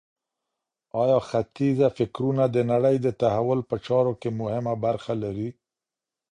آیا ختیځه فکرونه د نړۍ د تحول په چارو کي مهمه برخه لري؟